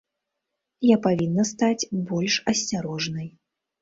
Я павінна стаць больш асцярожнай.